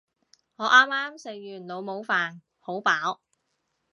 我啱啱食完老母飯，好飽